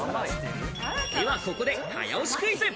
ではここで早押しクイズ。